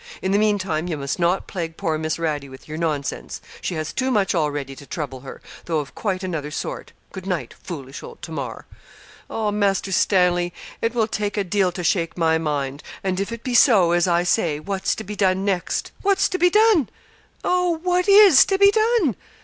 In the meantime, you must not plague poor Miss Radie with your nonsense. She has too much already to trouble her, though of quite another sort. Good night, foolish old Tamar.' 'Oh, Master Stanley, it will take a deal to shake my mind; and if it be so, as I say, what's to be done next what's to be done oh, what is to be done?'